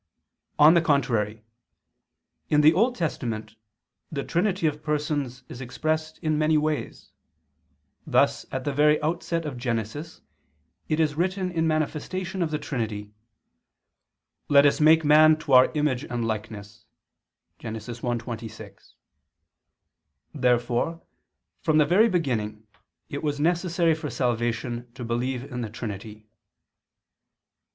On the contrary, In the Old Testament the Trinity of Persons is expressed in many ways; thus at the very outset of Genesis it is written in manifestation of the Trinity: "Let us make man to Our image and likeness" (Gen. 1:26). Therefore from the very beginning it was necessary for salvation to believe in the Trinity.